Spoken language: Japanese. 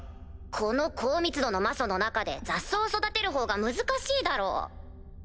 この高密度の魔素の中で雑草を育てるほうが難しいだろ。